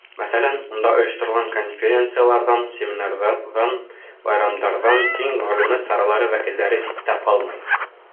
Мәҫәлән, унда ойошторолған конференцияларҙан, семинарҙарҙан, байрамдарҙан киң мәғлүмәт саралары вәкилдәре ситтә ҡалмай.